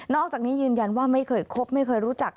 อกจากนี้ยืนยันว่าไม่เคยคบไม่เคยรู้จัก